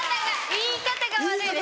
言い方が悪いです。